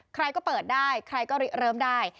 ใครก็เปิดได้ใครก็เริ่มได้